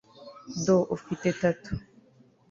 do ufite tattoo